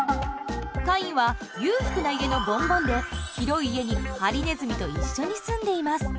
カインは裕福な家のボンボンで広い家にハリネズミと一緒に住んでいます。